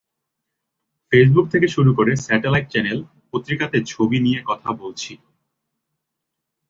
Facebook থেকে শুরু করে স্যাটেলাইট চ্যানেল, পত্রিকাতে ছবি নিয়ে কথা বলছি।